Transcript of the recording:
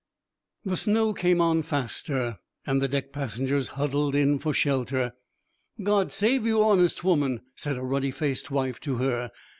The snow came on faster, and the deck passengers huddled in for shelter. 'God save you, honest woman,' said a ruddy faced wife to her.